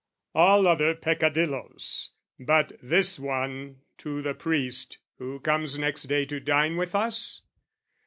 All other peccadillos! but this one To the priest who comes next day to dine with us?